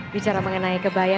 bicara mengenai kebaya